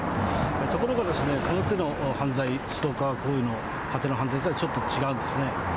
ところが、この手の犯罪、ストーカー行為の果ての犯罪というのはちょっと違うんですね。